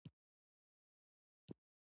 ځنګل د راتلونکو نسلونو حق دی.